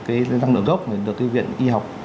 cái năng lượng gốc được tư viện y học